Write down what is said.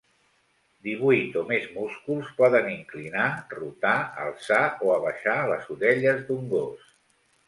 Divuit o més músculs poden inclinar, rotar, alçar o abaixar les orelles d'un gos.